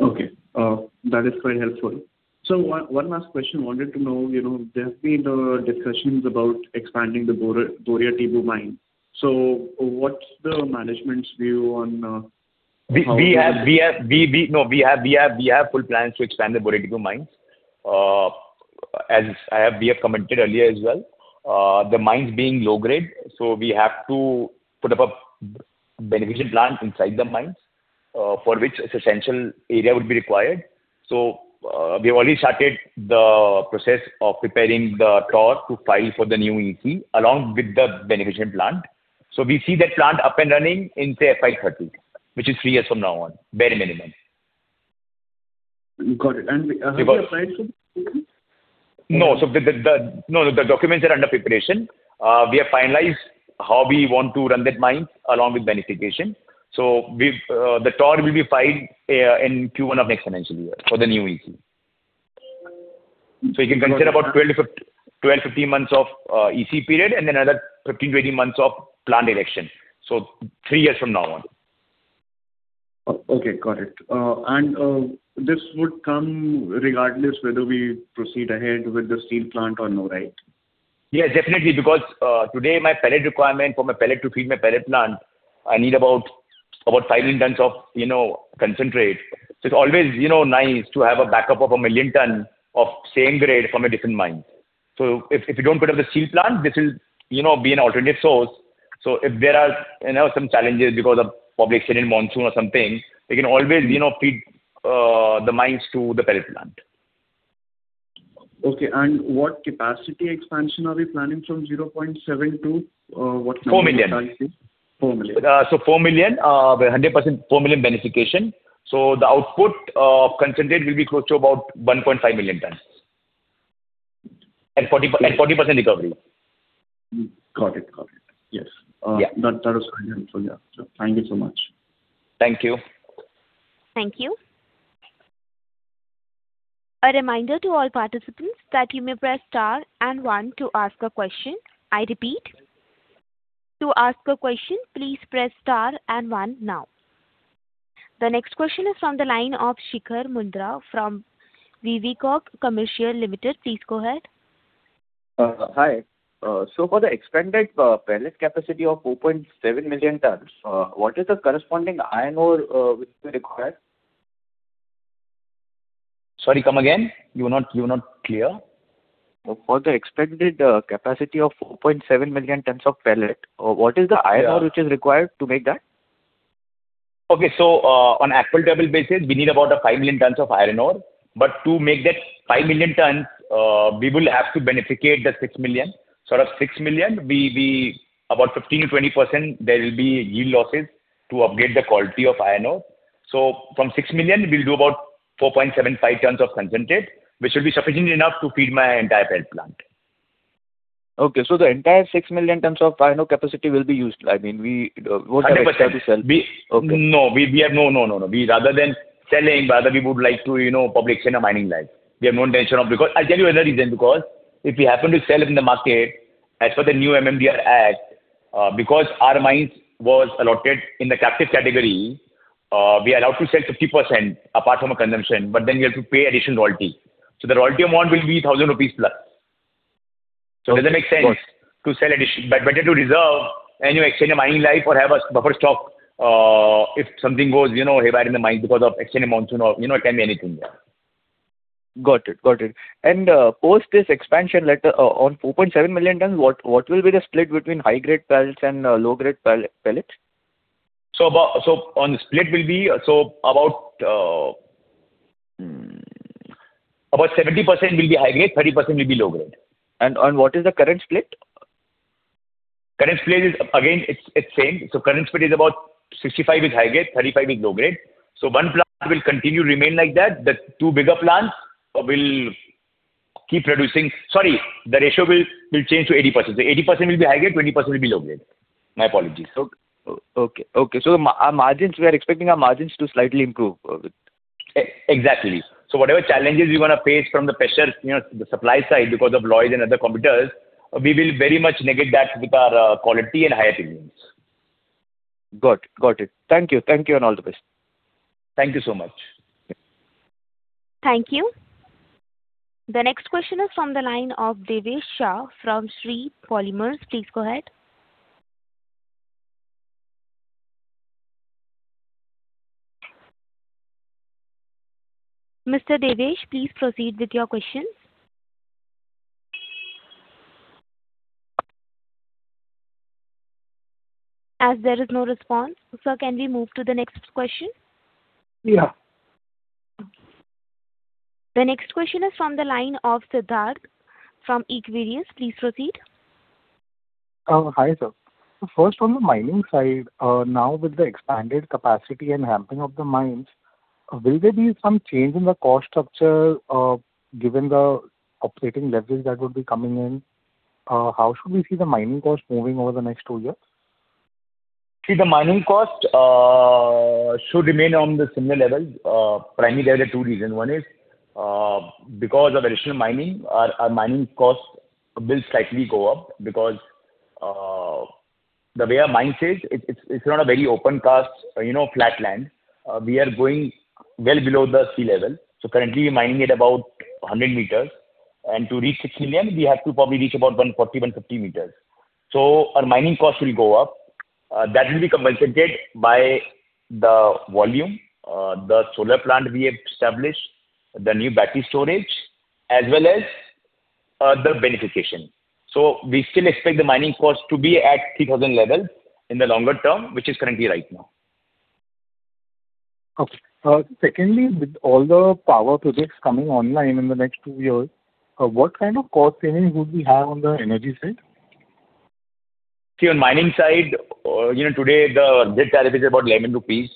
S7: Okay. That is quite helpful. So one last question. I wanted to know, there have been discussions about expanding the Boria Tibu mines. So what's the management's view on?
S5: No, we have full plans to expand the Boria Tibu mines. As we have commented earlier as well, the mines being low-grade, so we have to put up a beneficiation plant inside the mines for which a substantial area would be required. So we have already started the process of preparing the TOR to file for the new EC along with the beneficiation plant. So we see that plant up and running in, say, FY 2030, which is three years from now on, bare minimum.
S7: Got it. And have you applied for the documents?
S5: No. So no, the documents are under preparation. We have finalized how we want to run that mine along with beneficiation. The TOR will be filed in Q1 of next financial year for the new EC. You can consider about 12-15 months of EC period and then another 15-20 months of plant erection, three years from now on.
S7: Okay, got it. And this would come regardless whether we proceed ahead with the steel plant or no, right?
S5: Yeah, definitely. Because today, my pellet requirement for my pellet to feed my pellet plant, I need about 5 million tons of concentrate. So it's always nice to have a backup of 1 million tons of same grade from a different mine. So if you don't put up the steel plant, this will be an alternative source. So if there are some challenges because of a public storm, monsoon, or something, we can always feed the mines to the pellet plant.
S7: Okay. And what capacity expansion are we planning from 0.7 to what number?
S5: 4 million.
S3: 4 million.
S5: 4 million, 100% 4 million beneficiation. The output of concentrate will be close to about 1.5 million tons and 40% recovery.
S7: Got it, got it. Yes. That was quite helpful. Yeah. Thank you so much.
S5: Thank you.
S1: Thank you. A reminder to all participants that you may press star and one to ask a question. I repeat, to ask a question, please press star and one now. The next question is from the line of Shikhar Mundra from Vivog Commercial Limited. Please go ahead.
S12: Hi. So for the expanded pellet capacity of 4.7 million tons, what is the corresponding iron ore which we require?
S5: Sorry, come again. You were not clear.
S12: For the expanded capacity of 4.7 million tons of pellet, what is the iron ore which is required to make that?
S3: Okay. On an actual table basis, we need about 5 million tons of iron ore. To make that 5 million tons, we will have to beneficiate the 6 million. Out of 6 million, about 15%-20%, there will be yield losses to upgrade the quality of iron ore. From 6 million, we'll do about 4.75 tons of concentrate, which should be sufficient enough to feed my entire pellet plant.
S12: Okay. So the entire 6 million tons of iron ore capacity will be used. I mean, what do you have to sell?
S3: 100%.
S12: Okay.
S3: No, we have no, no, no, no. Rather than selling, we would like to apply for a mining lease. We have no intention of because I'll tell you another reason. Because if we happen to sell in the market as per the new MMDR Act, because our mines were allotted in the captive category, we are allowed to sell 50% apart from our consumption. But then we have to pay additional royalty. So the royalty amount will be 1,000 rupees plus. So does it make sense to sell? But better to reserve and you extend a mining lease or have a buffer stock if something goes haywire in the mines because of excessive monsoon or it can be anything.
S12: Got it, got it. And post this expansion letter on 4.7 million tons, what will be the split between high-grade pellets and low-grade pellets?
S3: On the split, about 70% will be high-grade, 30% will be low-grade.
S12: What is the current split?
S3: Current split, again, it's the same. So current split is about 65% high-grade, 35% low-grade. So one plant will continue to remain like that. The two bigger plants will keep producing—sorry, the ratio will change to 80%. So 80% will be high-grade, 20% will be low-grade. My apologies.
S12: Okay, okay. We are expecting our margins to slightly improve.
S3: Exactly. So whatever challenges we want to face from the supply side because of Lloyds and other competitors, we will very much negate that with our quality and higher premiums.
S12: Got it, got it. Thank you. Thank you and all the best.
S3: Thank you so much.
S1: Thank you. The next question is from the line of Devesh Shah from Shree Polymers. Please go ahead. Mr. Devesh, please proceed with your questions. As there is no response, sir, can we move to the next question? The next question is from the line of Siddharth from Equirus. Please proceed.
S4: Hi, sir. First, on the mining side, now with the expanded capacity and ramping of the mines, will there be some change in the cost structure given the operating leverage that would be coming in? How should we see the mining cost moving over the next two years?
S3: See, the mining cost should remain on the similar levels. Primarily, there are two reasons. One is because of additional mining, our mining cost will slightly go up because the way our mine sits, it's not a very open-cast flatland. We are going well below the sea level. So currently, we're mining at about 100 meters. And to reach 6 million, we have to probably reach about 140-150 meters. So our mining cost will go up. That will be compensated by the volume, the solar plant we have established, the new battery storage, as well as the beneficiation. So we still expect the mining cost to be at 3,000 levels in the longer term, which is currently right now.
S4: Okay. Secondly, with all the power projects coming online in the next two years, what kind of cost savings would we have on the energy side?
S3: See, on mining side, today, the grid tariff is about 11 rupees,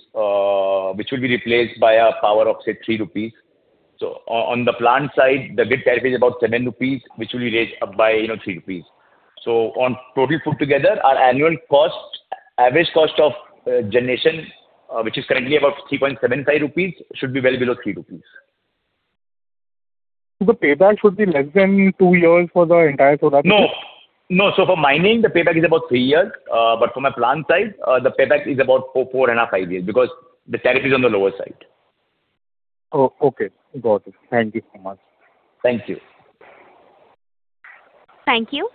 S3: which will be replaced by a power of, say, 3 rupees. So on the plant side, the grid tariff is about 7 rupees, which will be raised up by 3 rupees. So on total put together, our annual average cost of generation, which is currently about 3.75 rupees, should be well below 3 rupees.
S4: So the payback should be less than two years for the entire solar plant?
S3: No, no. So for mining, the payback is about three years. But for my plant side, the payback is about 4.5-5 years because the tariff is on the lower side.
S4: Oh, okay. Got it. Thank you so much.
S3: Thank you.
S1: Thank you.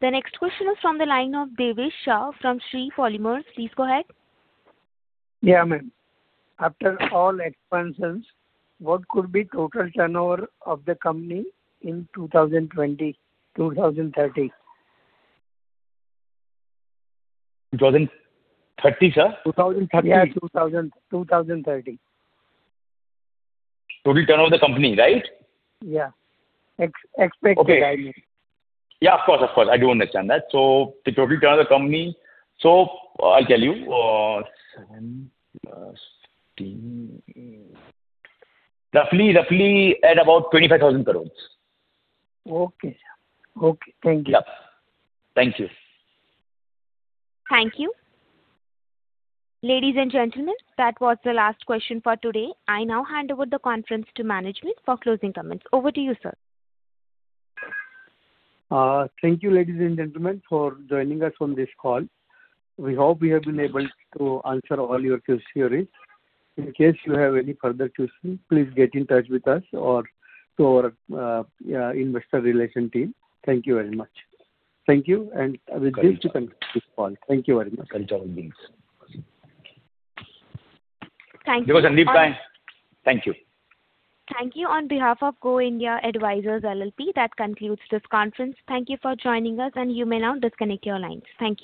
S1: The next question is from the line of Devesh Shah from Shree Polymers. Please go ahead.
S13: Yeah, ma'am. After all expenses, what could be total turnover of the company in 2020, 2030?
S3: 2030, sir?
S13: 2030.
S3: Yeah, 2030.
S13: Total turnover of the company, right? Yeah. Expected I mean.
S3: Yeah, of course, of course. I do understand that. So the total turnover of the company, so I'll tell you. Roughly at about 25,000 crore.
S13: Okay, sir. Okay. Thank you.
S3: Yeah. Thank you.
S1: Thank you. Ladies and gentlemen, that was the last question for today. I now hand over the conference to management for closing comments. Over to you, sir.
S3: Thank you, ladies and gentlemen, for joining us on this call. We hope we have been able to answer all your questions. In case you have any further questions, please get in touch with us or to our investor relation team. Thank you very much. Thank you. With this, we conclude this call. Thank you very much.
S1: Thank you.
S5: Vikas, Sandeep, bye. Thank you.
S1: Thank you. On behalf of Go India Advisors LLP, that concludes this conference. Thank you for joining us, and you may now disconnect your lines. Thank you.